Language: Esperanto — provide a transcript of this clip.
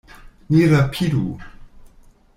Ni rapidu.